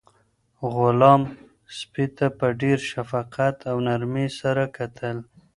غلام سپي ته په ډېر شفقت او نرمۍ سره کتل.